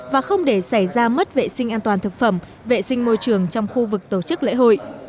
và không để xảy ra mất vệ sinh an toàn thực phẩm vệ sinh môi trường trong khu vực tổ chức lễ hội